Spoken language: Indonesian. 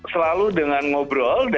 selalu dengan ngobrol